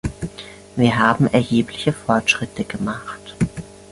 Wir haben erhebliche Fortschritte gemacht.